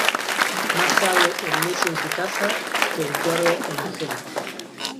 Más sabe el necio en su casa que el cuerdo en la ajena.